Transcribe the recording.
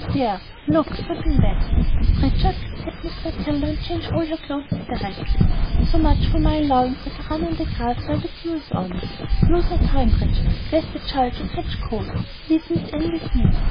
There! look dripping wet! Pritchard, take Miss Matilda, and change all her clothes directly. So much for my allowing her to run on the grass while the dew is on! Lose no time, Pritchard, lest the child should catch cold. Leave Miss Anna with me.